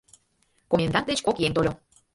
Комендант деч кок еҥ тольо.